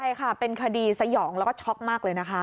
ใช่ค่ะเป็นคดีสยองแล้วก็ช็อกมากเลยนะคะ